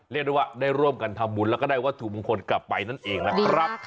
เรียกได้ว่าได้ร่วมกันทำบุญแล้วก็ได้วัตถุมงคลกลับไปนั่นเองนะครับ